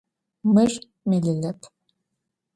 Mır melılep.